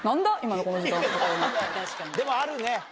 でもあるね